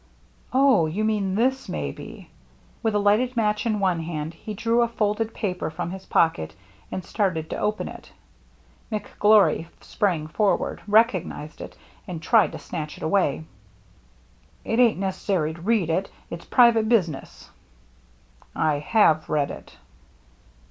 "Oh, you mean this, maybe." With a lighted match in one hand, he drew a folded paper from his pocket and started to open it. McGlory sprang forward, recognized it, and tried to snatch it away. "It ain't necessary to read that. It's private business." " I have read it."